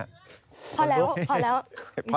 พอแล้วพอแล้ว